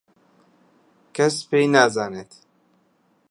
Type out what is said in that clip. کەس پێ نازانێت.